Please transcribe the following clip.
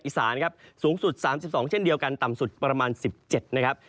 อีสานครับสูงสุด๓๒เช่นเดียวกันต่ำสุดประมาณ๑๗นะครับ